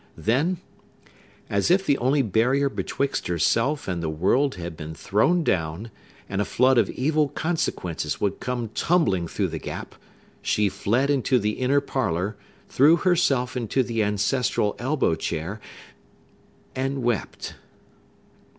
Then—as if the only barrier betwixt herself and the world had been thrown down, and a flood of evil consequences would come tumbling through the gap—she fled into the inner parlor, threw herself into the ancestral elbow chair, and wept.